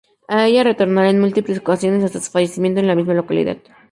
A ella retornará en múltiples ocasiones hasta su fallecimiento en la misma localidad.